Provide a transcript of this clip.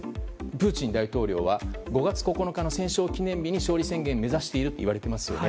プーチン大統領は５月９日の戦勝記念日に勝利宣言を目指しているといわれていますよね。